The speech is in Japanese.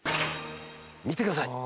見てください。